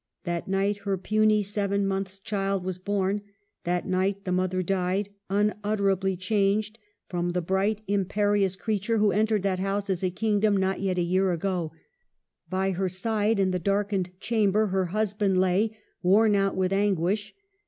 That night her puny, seven months' child was born ; that night the mother died, un utterably changed from the bright, imperious l WUTHERING HEIGHTS? 2 6l creature who entered that house as a kingdom, not yet a year ago. By her side, in the darkened chamber, her husband lay, worn out with an guish.